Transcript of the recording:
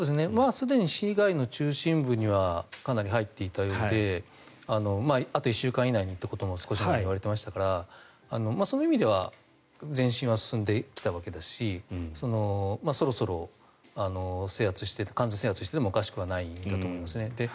すでに市街の中心部にはかなり入っていたようであと１週間以内にということもいわれていましたからその意味では前進は進んできたわけだしそろそろ完全制圧してもおかしくないんだと思います。